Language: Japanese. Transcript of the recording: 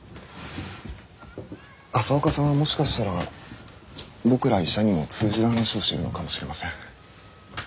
朝岡さんはもしかしたら僕ら医者にも通じる話をしてるのかもしれません。